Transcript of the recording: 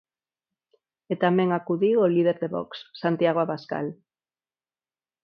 E tamén acudiu o líder de Vox, Santiago Abascal.